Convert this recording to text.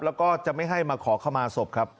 แล้วก็จะไม่ให้มาขอขมาศพครับ